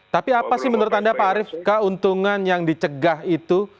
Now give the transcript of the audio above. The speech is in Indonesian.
tapi apa sih menurut anda pak arief keuntungan yang dicegah itu